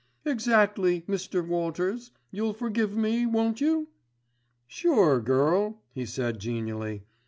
"Exactly, Mr. Walters. You'll forgive me, won't you?" "Sure, girl," he said genially.